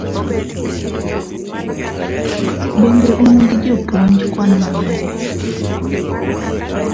Bende un gi jopuonj kwano mabeyo?